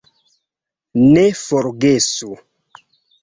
Ne forgesu!